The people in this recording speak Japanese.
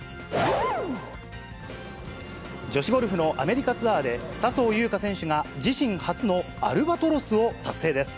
女子ゴルフのアメリカツアーで、笹生優花選手が自身初のアルバトロスを達成です。